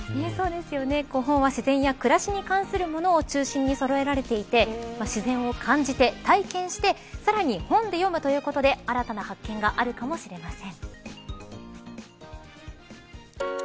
本は自然や暮らしに関するものを中心にそろえられていて自然を感じて、体験してさらに本で読むということで新たな発見があるかもしれません。